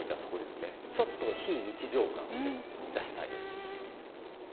ちょっと非日常感をね出してあげる。